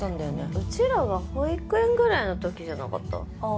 うちらが保育園ぐらいの時じゃなかった？